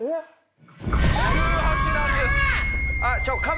１８なんです！